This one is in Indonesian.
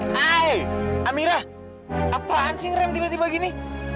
hai hai amira apaan sih rem tiba tiba gini